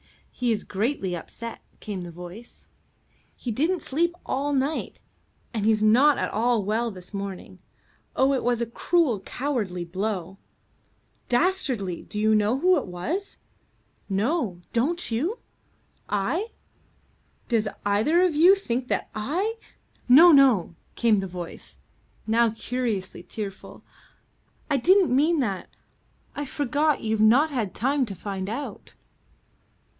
"He's greatly upset," came the voice. "He didn't sleep all night, and he's not at all well this morning. Oh, it was a cruel, cowardly blow." "Dastardly. Do you know who it was?" "No. Don't you?" "I? Does either of you think that I ?" "No, no," came the voice, now curiously tearful. "I didn't mean that. I forgot you've not had time to find out."